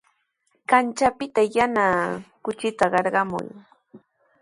Kanchapita yana kuchita qarqamuy.